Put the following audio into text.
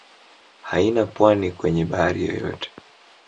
Haina pwani kwenye bahari yoyote.